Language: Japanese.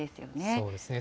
そうですね。